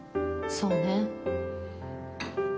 そうね。